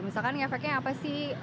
misalkan ngefeknya apa sih